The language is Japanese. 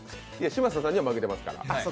嶋佐さんには負けてますから。